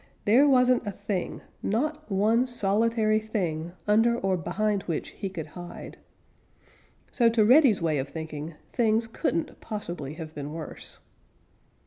There wasn't a thing, not one solitary thing, under or behind which he could hide. So, to Reddy's way of thinking, things couldn't possibly have been worse.